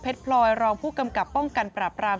พลอยรองผู้กำกับป้องกันปราบราม